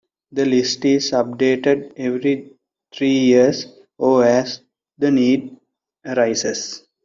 The list is updated every three years, or as the need arises.